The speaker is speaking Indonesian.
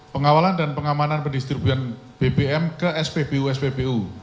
pengawalan dan pengamanan pendistribusian bbm ke spbu spbu